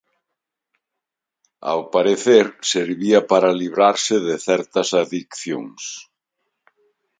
Ao parecer, servía para librarse de certas adiccións.